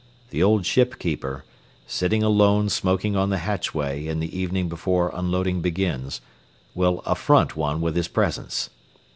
The old ship keeper, sitting alone smoking on the hatchway in the evening before unloading begins, will affront one with his presence.